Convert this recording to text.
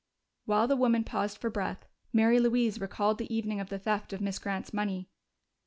While the woman paused for breath, Mary Louise recalled the evening of the theft of Miss Grant's money.